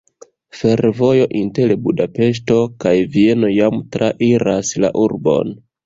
Fervojo inter Budapeŝto kaj Vieno jam trairas la urbon.